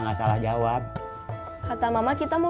gak salah jawab kata mama kita mau